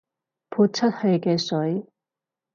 潑出去嘅水